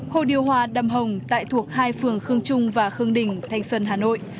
hồ điều hòa đầm hồng tại thuộc hai phường khương trung và khương đình thanh xuân hà nội